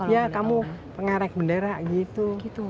ya kamu pengarik bendera gitu